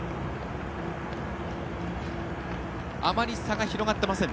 あまり、差が広がっていません。